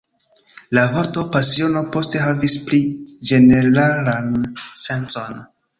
La vorto pasiono poste havis pli ĝeneralan sencon.